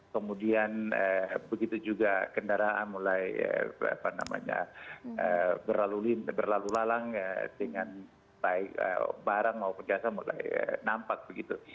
kemudian begitu juga kendaraan mulai apa namanya berlalu lalang dengan barang mau pedasa mulai nampak begitu